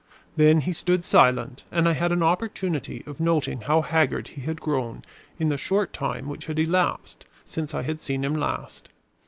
Then he stood silent and I had an opportunity of noting how haggard he had grown in the short time which had elapsed since I had seen him last.